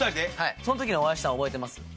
そんときにお会いしたの覚えてます？